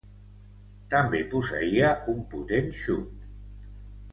També posseïa un potent xut.